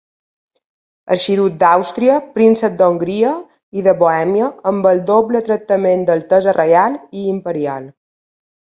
Arxiduc d'Àustria, príncep d'Hongria i de Bohèmia amb el doble tractament d'altesa reial i imperial.